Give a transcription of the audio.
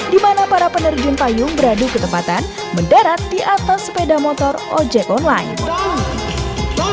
di mana para penerjun payung beradu ketepatan mendarat di atas sepeda motor ojek online